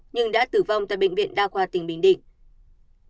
nhưng đã tử vong tại bệnh viện đa khoa tỉnh bình định